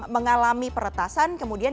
mengalami peretasan kemudian